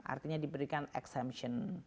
artinya diberikan exemption